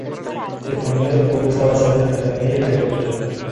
La economía del pueblo está basada en la ganadería y la agricultura.